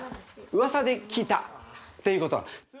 うわさで聞いたということ。